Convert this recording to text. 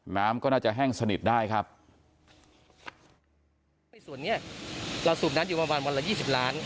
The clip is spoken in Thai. น้ำก็น่าจะแห้งสนิทได้ครับในส่วนเนี้ยเราสูบน้ำอยู่ประมาณวันละยี่สิบล้าน